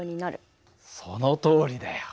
そのとおりだよ。